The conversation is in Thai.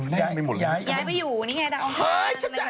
ทำไมกล้ามแข็งขนาดนี้นี่ไม่น่าช่วยเหรอ